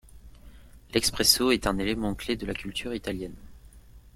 L'espresso est un élément clé de la culture italienne.